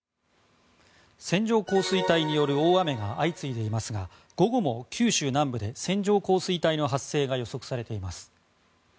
線状降水帯による大雨が相次いでいますが午後も九州南部で線状降水帯の発生が予測されています。